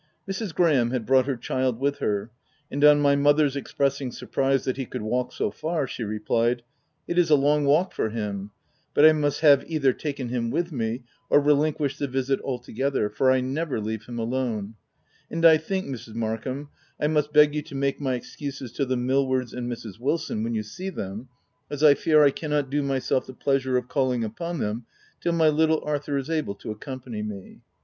Mrs. Graham had brought her child OF WILDFELL HALL. 43 with her, and on my mother's expressing surprise that he could walk so far, she re plied, —" It is a long walk for him ; but I must have either taken him with me, or relinquished the visit altogether : for I never Jeave him alone ; and I think, Mrs. Markham, I must beg you to make my excuses to the Millwards and Mrs. Wilson, when you see them, as I fear I cannot do myself the pleasure of calling upon them till my little Arthur is able to accompany me."